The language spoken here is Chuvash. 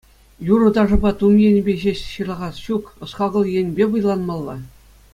Юрӑ-ташӑпа тум енӗпе ҫеҫ ҫырлахас ҫук — ӑс-хакӑл енӗпе вӑйланмалла.